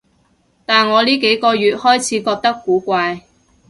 但我呢幾個月開始覺得古怪